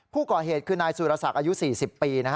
ผู้ก่อเหตุคือนายสุรสักอายุ๔๐ปีนะครับ